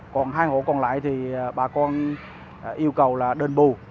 còn hai hộ còn lại thì bà con yêu cầu là đền bù